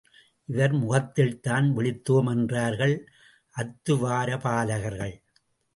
இவர் முகத்தில்தான் விழித்தோம் என்றார்கள் அத்துவாரபாலகர்கள்.